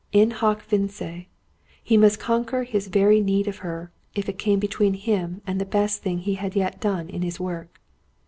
In hoc vince. He must conquer his very need of her, if it came between him and the best thing he had yet done in his work.